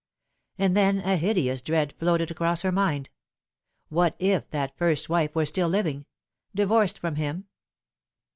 And then a hideous dread floated across her mind. "What if that first wife were still living divorced from him